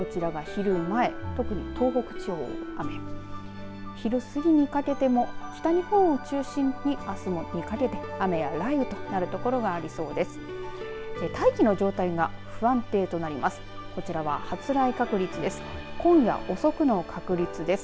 昼過ぎにかけても北日本を中心に、あすにかけて雨や雷雨となる所がありそうです。